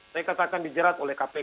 saya katakan dijerat oleh kpk